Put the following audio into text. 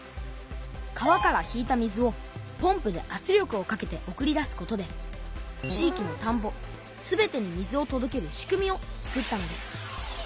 川から引いた水をポンプであつ力をかけて送り出すことで地域のたんぼ全てに水をとどける仕組みを作ったのです。